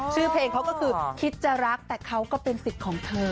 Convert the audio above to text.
ชื่อเพลงเขาก็คือคิดจะรักแต่เขาก็เป็นสิทธิ์ของเธอ